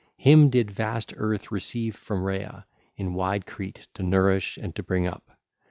Him did vast Earth receive from Rhea in wide Crete to nourish and to bring up.